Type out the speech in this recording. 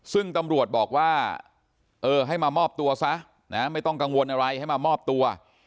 ซึ่งตำรวจบอกว่าเออให้มามอบตัวซะนะไม่ต้องกังวลอะไรให้มามอบตัว